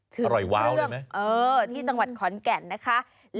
ทรึงพรึ่งเออที่จังหวัดขอนกันนะคะอร่อยวาวเลยมั้ย